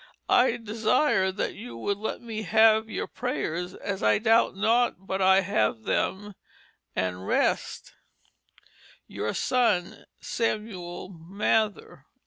I desire that you would let me have your prayers as I doubt not but I have them, and rest "Your Son, SAMUEL MATHER."